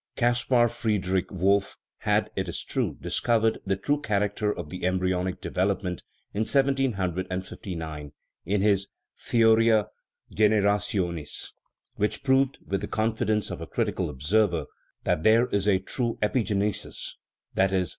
Caspar Friedrich Wolff had, it is true, discovered the true character of embry onic development in 1759, in his theoria generationis, and proved with the confidence of a critical observer that there is a true epigenesis i.e.